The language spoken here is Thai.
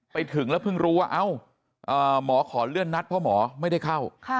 ไปถึงแล้วเพิ่งรู้ว่าเอ้าหมอขอเลื่อนนัดเพราะหมอไม่ได้เข้า